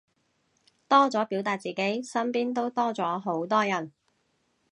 多咗表達自己，身邊都多咗好多人